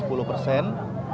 sepuluh berapa persen